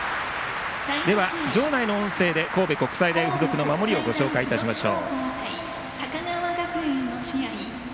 場内の音声で神戸国際大付属の守りをご紹介いたしましょう。